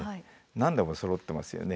何でもそろってますよね。